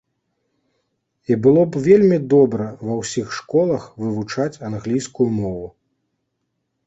І было б вельмі добра ва ўсіх школах вывучаць англійскую мову.